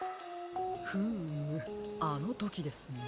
フームあのときですね。